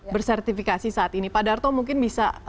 bersertifikasi saat ini pak darto mungkin bisa